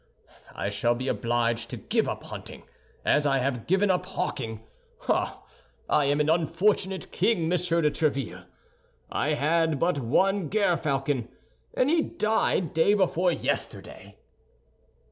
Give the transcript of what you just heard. I shall be obliged to give up hunting, as I have given up hawking. Ah, I am an unfortunate king, Monsieur de Tréville! I had but one gerfalcon, and he died day before yesterday."